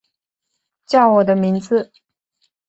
叫我的名字